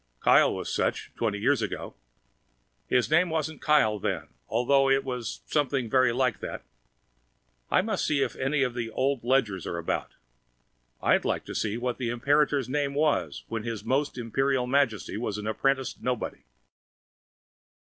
Kyle was such, twenty years ago. His name wasn't Kyle then, although it was something very like that. I must see if any of the old ledgers are about! I'd like to see what the Imperator's name was when His Most Imperial Majesty was an apprenticed nobody!